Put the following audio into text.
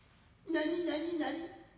何何何。